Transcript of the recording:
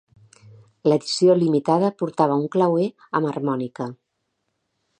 L'edició limitada portava un clauer amb harmònica.